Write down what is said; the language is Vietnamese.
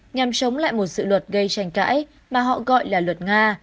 nhằm chống lại một dự luật gây tranh cãi mà họ gọi là luật nga